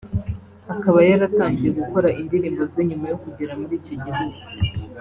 akaba yaratangiye gukora indirimbo ze nyuma yo kugera muri icyo gihugu